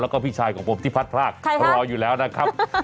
แล้วก็พี่ชายของผมที่พัดพรากรออยู่แล้วนะครับ